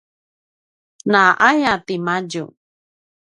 naaya timadju